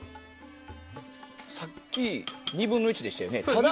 さっき、２分の１でしたよね。